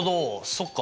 そっか。